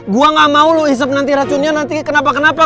gue gak mau loh isep nanti racunnya nanti kenapa kenapa